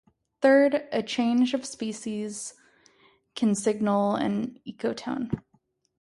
Third, a change of species can signal an ecotone.